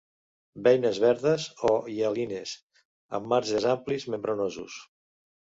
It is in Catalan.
Beines verdes o hialines, amb marges amplis membranosos.